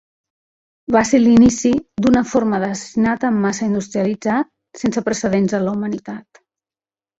Va ser l'inici d'una forma d'assassinat en massa industrialitzat sense precedents en la humanitat.